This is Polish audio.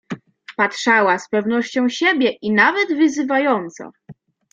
"Patrzała z pewnością siebie i nawet wyzywająco."